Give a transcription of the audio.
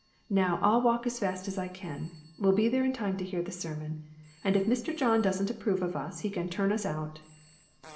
"Now I'll walk as fast as I can. We'll be there in time to hear the sermon ; and if Mr. John doesn't approve of us he can turn us out."